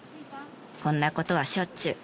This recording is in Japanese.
こんな事はしょっちゅう。